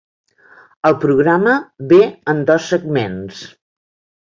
El programa ve en dos segments.